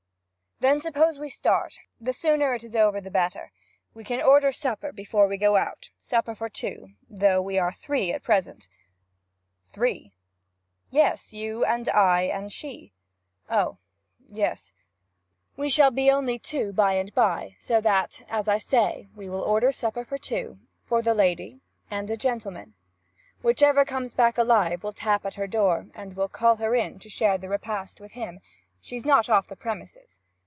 'Then suppose we start; the sooner it is over the better. We can order supper before we go out supper for two; for though we are three at present ' 'Three?' 'Yes; you and I and she ' 'Oh yes.' ' We shall be only two by and by; so that, as I say, we will order supper for two; for the lady and a gentleman. Whichever comes back alive will tap at her door, and call her in to share the repast with him she's not off the premises.